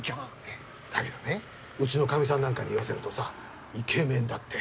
えっだけどねうちのかみさんなんかに言わせるとさイケメンだって。